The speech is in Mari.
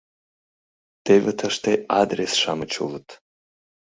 — Теве, тыште адрес-шамыч улыт!..